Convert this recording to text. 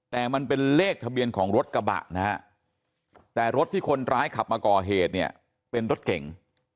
แต่มันเป็นเลขทะเบียนของรถกระบะนะฮะแต่รถที่คนร้ายขับมาก่อเหตุเนี่ยเป็นรถเก่ง